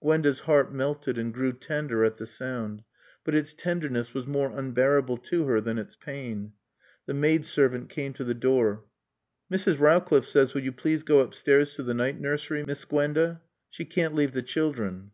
Gwenda's heart melted and grew tender at the sound. But its tenderness was more unbearable to her than its pain. The maid servant came to the door. "Mrs. Rowcliffe says will you please go upstairs to the night nursery, Miss Gwenda. She can't leave the children."